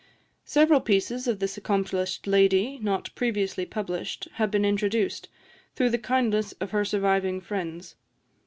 Several pieces of this accomplished lady, not previously published, have been introduced, through the kindness of her surviving friends.